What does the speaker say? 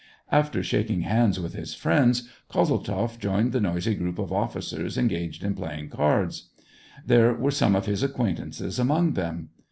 After shaking hands with his friends, Kozeltzoff joined the noisy group of officers engaged in play ing cards. There were some of his acquaintances among them.